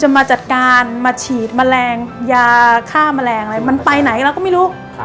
มาฉีดมะแรงยาฆ่ามะแรงอะไรมันไปไหนแล้วก็ไม่รู้ค่ะ